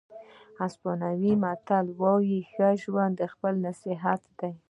اسپانوي متل وایي ښه ژوند خپله نصیحت دی.